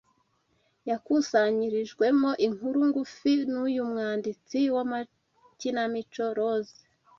yakusanyirijwemo inkuru ngufi nuyu mwanditsi w'amakinamico "Rose